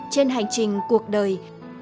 trên hành trình cuộc đời